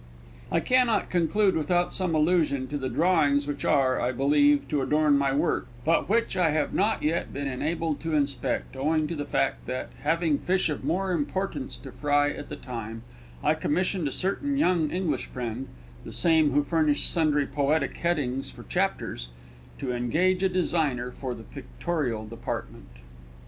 I cannot conclude without some allusion to the drawings which are, I believe, to adorn my work, but which I have not yet been enabled to inspect, owing to the fact that, having fish of more importance to fry at the time, I commissioned a certain young English friend (the same who furnished sundry poetic headings for chapters) to engage a designer for the pictorial department.